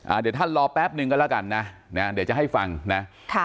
เดี๋ยวท่านรอแป๊บนึงกันแล้วกันนะนะเดี๋ยวจะให้ฟังนะค่ะ